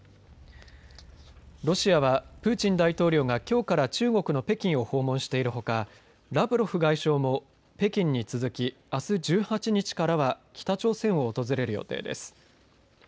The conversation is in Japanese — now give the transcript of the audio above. ロシアは、プーチン大統領がきょうから中国の北京を訪問しているほかラブロフ外相も北京に続きあす１８日からは北朝鮮を訪れる予定です。